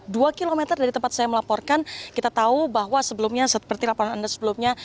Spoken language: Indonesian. dua km dari tempat saya melaporkan kita tahu bahwa sebelumnya seperti laporan anda sebelumnya